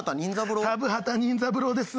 たぶ畑任三郎です。